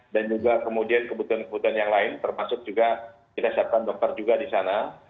dan juga kemudian kebutuhan kebutuhan yang lain termasuk juga kita siapkan dokter juga di sana